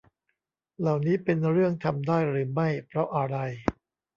เหล่านี้เป็นเรื่องทำได้หรือไม่ เพราะอะไร